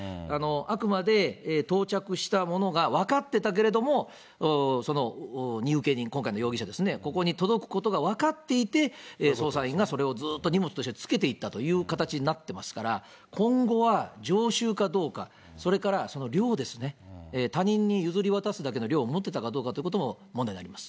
あくまで到着したものが分かってたけれども、その荷受人、今回の容疑者ですね、ここに届くことが分かっていて、捜査員がそれをずっと荷物と一緒につけていったという形になってますから、今後は常習かどうか、それから量ですね、他人に譲り渡すだけの量を持ってたかどうかということも問題になります。